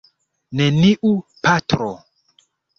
Neniu, patro!